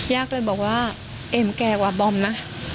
ย่าก็บอกว่าเอมแกกว่าบอมนะ